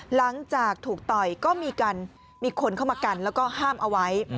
หลังจากถูกต่อยก็มีคนเข้ามากันแล้วก็ห้ามเอาไว้